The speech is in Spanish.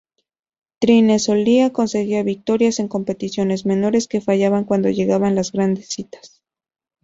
Trine solía conseguía victorias en competiciones menores, pero fallaba cuando llegaban las grandes citas.